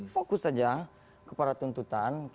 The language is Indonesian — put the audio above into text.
fokus saja kepada tuntutan